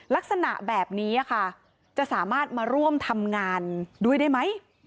ลักษณะแบบนี้ค่ะจะสามารถมาร่วมทำงานด้วยได้ไหม